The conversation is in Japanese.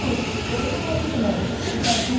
『М‐１』は出てないよね？